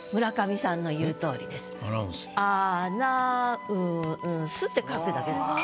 「アナウンス」って書くだけです。